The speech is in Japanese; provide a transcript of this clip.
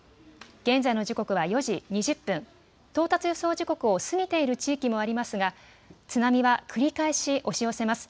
現在の時刻は４時２０分、到達予想時刻を過ぎている地域もありますが津波は繰り返し押し寄せます。